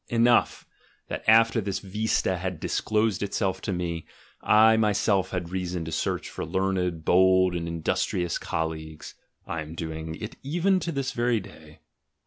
Enough, that after this vista had disclosed itself to me, I myself had reason to search for learned, bold, and in dustrious colleagues (I am doing it even to this very day).